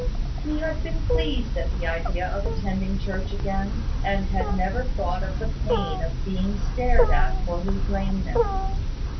He had been pleased at the idea of attending church again, and had never thought of the pain of being stared at for his lameness.